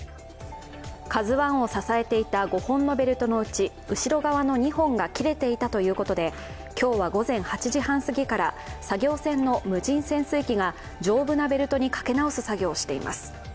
「ＫＡＺＵⅠ」を支えていた５本のベルトのうち後ろ側の２本が切れていたということで、今日は午前８時半過ぎから作業船の無人潜水機が丈夫なベルトにかけ直す作業をしています。